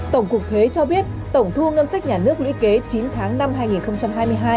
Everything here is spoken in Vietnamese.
tổng cục thuế cho biết tổng thu ngân sách nhà nước lũy kế chín tháng năm hai nghìn hai mươi hai